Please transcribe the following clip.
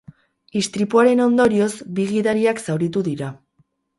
Istripuaren ondorioz, bi gidariak zauritu dira.